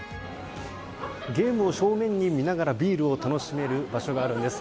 ゲームを正面に見ながらビールを楽しめる場所があるんです。